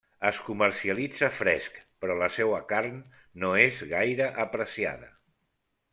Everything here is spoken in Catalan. Es comercialitza fresc, però la seua carn no és gaire apreciada.